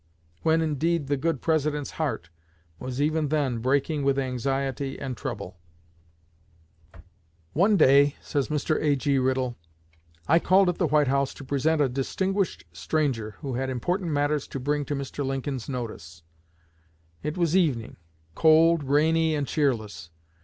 When, indeed, the good President's heart was even then breaking with anxiety and trouble." "One day," says Mr. A.G. Riddle, "I called at the White House to present a distinguished stranger, who had important matters to bring to Mr. Lincoln's notice. It was evening cold, rainy, and cheerless.